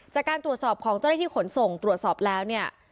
จากการตรวจสอบของเจ้าหน้าที่ขนส่งตรวจสอบแล้วเนี่ย